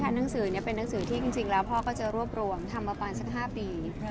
ใช่ค่ะหนังสือนี้เป็นหนังสือที่คุณพ่อก็จะรวบรวมทำมาประมาณสัก๕ปี